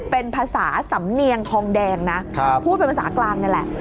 เป็นภาษาสำเนียงทองแดงนะพูดเป็นภาษากลางนี่แหละ